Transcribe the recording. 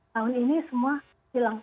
tahun ini semua hilang